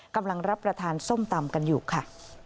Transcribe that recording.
กำลังรับประทานส้มตำกันอยู่ค่ะ